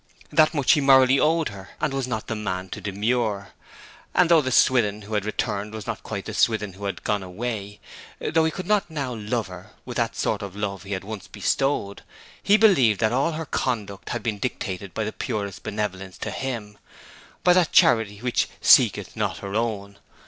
That much he morally owed her, and was not the man to demur. And though the Swithin who had returned was not quite the Swithin who had gone away, though he could not now love her with the sort of love he had once bestowed; he believed that all her conduct had been dictated by the purest benevolence to him, by that charity which 'seeketh not her own.'